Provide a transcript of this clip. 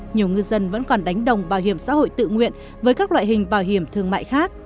nhiều ngư dân vẫn còn đánh đồng bảo hiểm xã hội tự nguyện với các loại hình bảo hiểm thương mại khác